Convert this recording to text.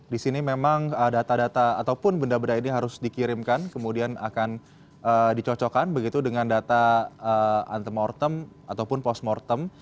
di sini memang data data ataupun benda benda ini harus dikirimkan kemudian akan dicocokkan begitu dengan data antemortem ataupun postmortem